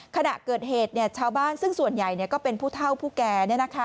ขณะเกิดเหตุเนี่ยชาวบ้านซึ่งส่วนใหญ่เนี่ยก็เป็นผู้เท่าผู้แก่เนี่ยนะคะ